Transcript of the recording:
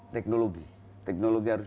teknologi teknologi harus